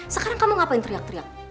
sekarang kamu ngapain teriak teriak